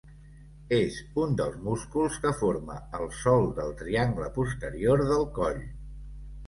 És un dels músculs que forma el sòl del triangle posterior del coll.